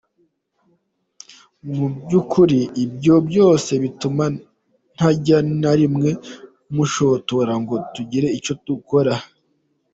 Muby’ukuri ibyo byose bituma ntajya na rimwe mushotora ngo tugire icyo dukora.